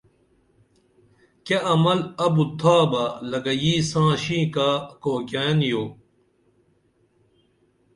کیہ عمل ابُت تھابہ لکہ یی ساں ݜینکہ کوئیکین یو